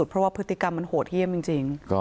พฤติกรรมมันโหดเหี้ยมจริง